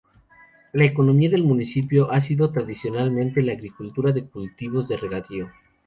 La economía del municipio ha sido tradicionalmente la agricultura de cultivos de regadío.